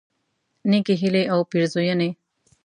نیکی هیلی او پیرزوینی